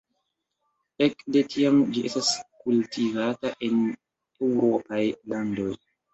Ekde tiam ĝi estas kultivata en eŭropaj landoj.